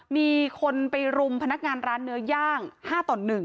มีคนไปรุมพนักงานร้านเนื้อย่าง๕ต่อ๑